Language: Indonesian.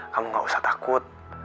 kamu gak usah takut